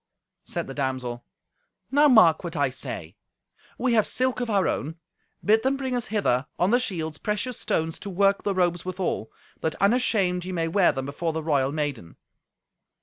Said the damsel, "Now mark what I say. We have silk of our own; bid them bring us hither, on the shields, precious stones to work the robes withal, that unashamed ye may wear them before the royal maiden."